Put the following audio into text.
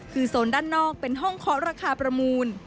คือโซนด้านนอกเป็นห้องเคาะราคาประมูล